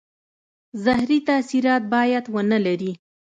زهري تاثیرات باید ونه لري.